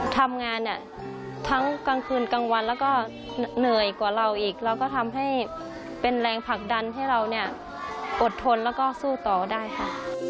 ทำงานเนี่ยทั้งกลางคืนกลางวันแล้วก็เหนื่อยกว่าเราอีกเราก็ทำให้เป็นแรงผลักดันให้เราเนี่ยอดทนแล้วก็สู้ต่อได้ค่ะ